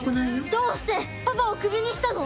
どうしてパパをクビにしたの？